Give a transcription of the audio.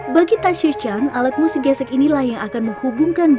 ketika dia yang dua puluh lima tahun tapi sudah selesai dua tahun tadi